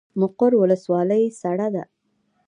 مقر ولسوالۍ سړه ده؟